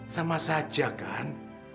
sama saja kan